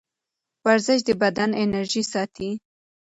ورزش د بدن انرژي ساتي.